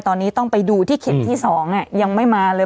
ตอนนี้ต้องไปดูที่เข็มที่๒ยังไม่มาเลย